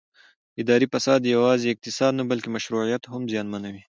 اداري فساد یوازې اقتصاد نه بلکې مشروعیت هم زیانمنوي